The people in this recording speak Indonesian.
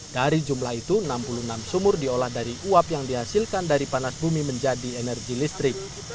dari jumlah itu enam puluh enam sumur diolah dari uap yang dihasilkan dari panas bumi menjadi energi listrik